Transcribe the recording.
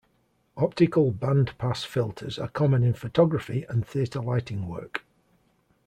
Optical band-pass filters are common in photography and theatre lighting work.